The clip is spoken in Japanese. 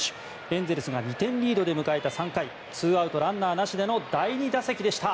エンゼルスが２点リードで迎えた３回２アウト、ランナーなしでの第２打席でした。